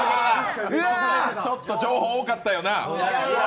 ちょっと情報多かったよな。